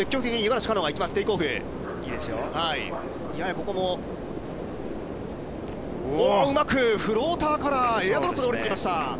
ここもうまくフローターからエアドロップで下りてきました。